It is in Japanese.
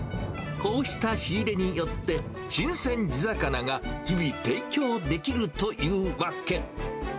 こうした仕入れによって、新鮮地魚が日々、提供できるというわけ。